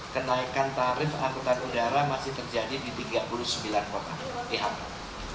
kenaikan tarif angkutan udara masih terjadi di tiga puluh sembilan di hambat